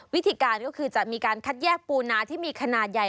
วิธีการก็คือจะมีการคัดแยกปูนาที่มีขนาดใหญ่